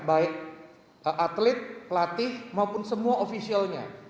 baik atlet latih maupun semua officialnya